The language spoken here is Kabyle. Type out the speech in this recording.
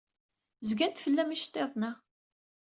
Zgan-d fell-am yiceḍḍiḍen-a.